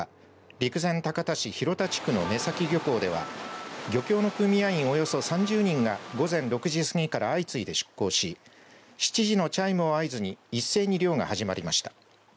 陸前高田市広田地区の根岬漁港では漁協の組合員およそ３０人が午前６時過ぎから相次いで出港し７時のチャイムを合図に一斉に漁が始まりました。